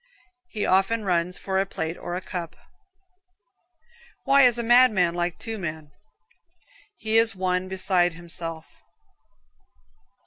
He often runs for a plate or a cup. Why is a madman like two men? He is one beside himself.